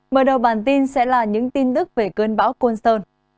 mở đầu bản tin sẽ là những tin tức về cơn bão colston